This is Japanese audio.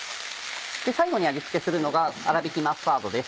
最後に味付けするのがあらびきマスタードです。